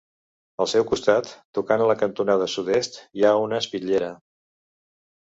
Al seu costat, tocant a la cantonada sud-est, hi ha una espitllera.